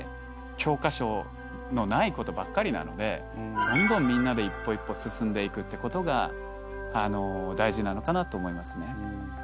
教科書のないことばっかりなのでどんどんみんなで一歩一歩進んでいくってことが大事なのかなと思いますね。